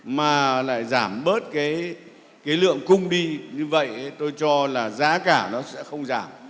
mà lại giảm bớt cái lượng cung đi như vậy tôi cho là giá cả nó sẽ không giảm